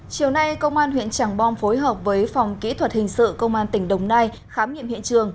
chiều nay công an huyện tràng bom phối hợp với phòng kỹ thuật hình sự công an tỉnh đồng nai khám nghiệm hiện trường